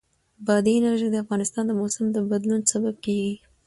بادي انرژي د افغانستان د موسم د بدلون سبب کېږي.